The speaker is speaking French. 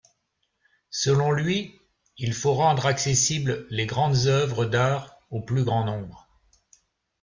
Selon lui, il faut rendre accessible les grandes œuvres d'art au plus grand nombre.